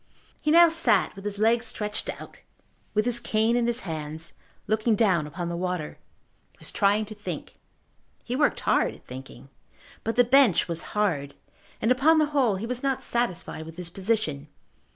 He now sat with his legs stretched out, with his cane in his hands, looking down upon the water. He was trying to think. He worked hard at thinking. But the bench was hard and, upon the whole, he was not satisfied with his position.